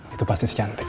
itu pasti secantik